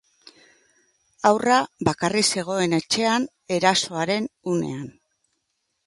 Haurra bakarrik zegoen etxean erasoaren unean.